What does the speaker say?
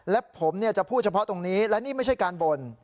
และผมจะพูดเฉพาะตรงนี้และนี่ไม่ใช่การบ่น